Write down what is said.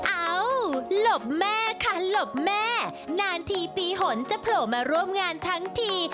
เอ้าหลบแม่ค่ะหลบแม่นานทีปีหนจะโผล่มาร่วมงานทั้งที